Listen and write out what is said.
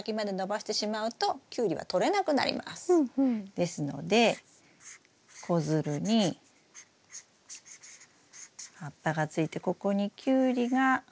ですので子づるに葉っぱがついてここにキュウリがなったら。